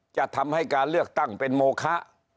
จะทำให้การเลือกตั้งเป็นโมคะ